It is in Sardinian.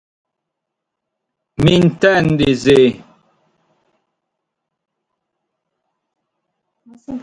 Nci so bìndighi annos e so giai mesu catalanu.